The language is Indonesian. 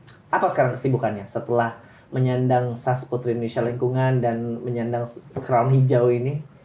apa sekarang kesibukannya setelah menyandang sas putri indonesia lingkungan dan menyandang kerang hijau ini